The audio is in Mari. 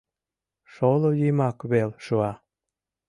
Шоло йымак вел шуа.